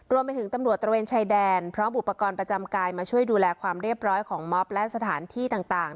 รวมไปถึงตำรวจตระเวนชายแดนพร้อมอุปกรณ์ประจำกายมาช่วยดูแลความเรียบร้อยของมอบและสถานที่ต่าง